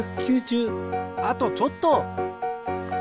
あとちょっと！